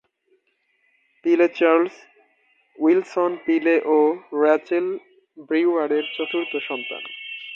পিলে Charles Wilson Peale ও Rachel ব্রিউয়ারের চতুর্থ সন্তান।